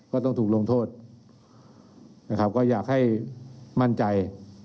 ก็ต้องถูกลงโทษนะครับก็อยากให้มั่นใจ